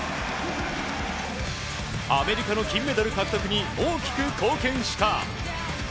アメリカの金メダル獲得に大きく貢献した。